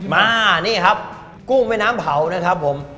มานี่ครับกุ้งแม่น้ำเผานะครับผม